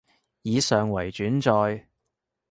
以上為轉載